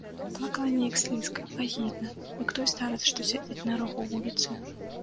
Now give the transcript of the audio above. Плакала неяк слізка, агідна, як той старац, што сядзіць на рагу вуліцы.